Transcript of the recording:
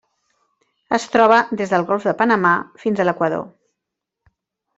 Es troba des del Golf de Panamà fins a l'Equador.